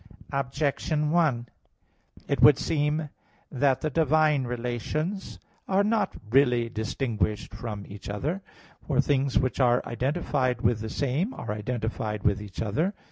Objection 1: It would seem that the divine relations are not really distinguished from each other. For things which are identified with the same, are identified with each other.